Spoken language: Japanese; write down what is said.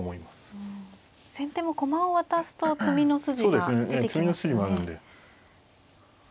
先手も駒を渡すと詰みの筋が出てきますよね。